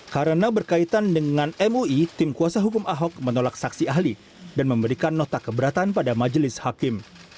karena berkaitan dengan mui tim kuasa hukum ahok menolak saksi ahli dan memberikan nota keberatan pada majelis hakim